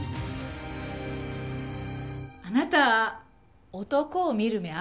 あなた男を見る目あるね。